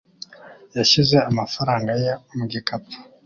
Yashyize amafaranga ye mu gikapu.